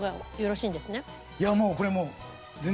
いやもうこれも全然。